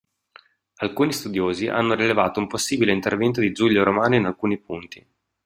Alcuni studiosi hanno rilevato un possibile intervento di Giulio Romano in alcuni punti.